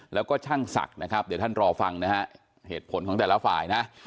แล้วก็ช่างศักดิ์นะครับเดี๋ยวท่านรอฟังนะฮะเหตุผลของแต่ละฝ่ายนะ